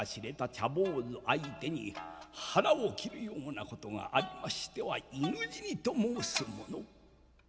茶坊主相手に腹を切るようなことがありましては犬死にと申すもの。